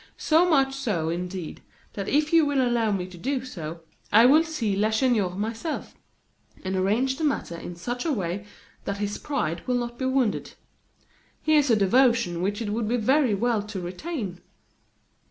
So much so, indeed, that if you will allow me to do so, I will see Lacheneur myself, and arrange the matter in such a way that his pride will not be wounded. His is a devotion which it would be well to retain."